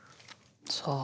さあ？